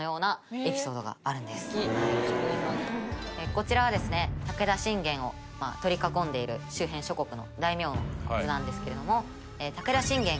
こちらはですね武田信玄を取り囲んでいる周辺諸国の大名の図なんですけれども武田信玄の。